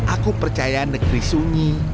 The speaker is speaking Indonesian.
aku percaya negeri sunyi